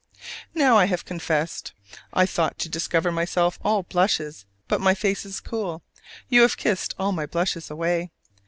Now I have confessed! I thought to discover myself all blushes, but my face is cool: you have kissed all my blushes away!